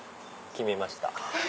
決めました。